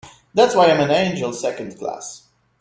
That's why I'm an angel Second Class.